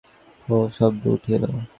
এমন সময়ে একটা অভ্রভেদী হো হো শব্দ উঠিল।